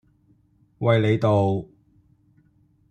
衛理道